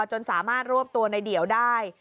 จนสามารถรวบตัวในเดี่ยวได้